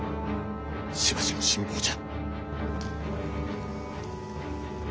しばしの辛抱じゃ。